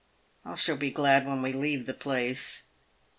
I shall be glad when we leave the place."